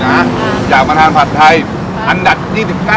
นะครับผมมาแล้วฮะได้๙๑๑อันดับสี่สิบเก้า